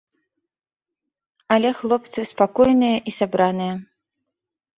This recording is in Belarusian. Але хлопцы спакойныя і сабраныя.